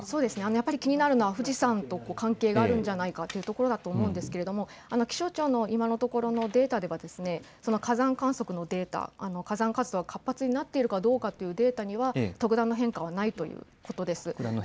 やっぱり気になるのは富士山と関係があるんじゃないかというところだと思うんですけれども気象庁の今のところデータでは火山観測のデータ、火山活動が活発になっているかというデータには特段の変化はないということです。